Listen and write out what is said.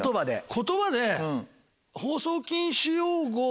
言葉で。